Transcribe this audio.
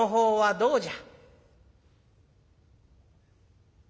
どうじゃ？